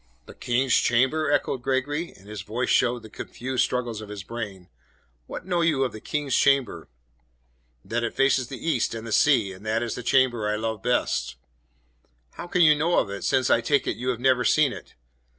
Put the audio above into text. "The King's chamber?" echoed Gregory, and his face showed the confused struggles of his brain. "What know you of the King's chamber?" "That it faces the east and the sea, and that it is the chamber I love best." "What can you know of it since, I take it, you have never seen it!"